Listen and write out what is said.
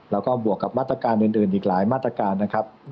แล้วก็บวกกับมาตรการอื่นอีกหลายมาตรการนะครับ